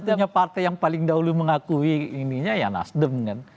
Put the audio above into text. artinya partai yang paling dahulu mengakui ininya ya nasdem kan